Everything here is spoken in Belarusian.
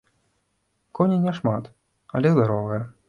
Коней няшмат, але здаровыя.